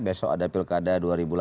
besok ada pilkada dua ribu delapan belas